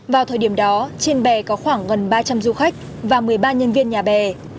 vào thời điểm đó trên bè có khoảng gần ba trăm linh du khách và một mươi ba nhân viên nhà bè